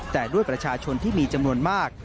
แต่ด้วยประชาชนที่มีจำนวนมาก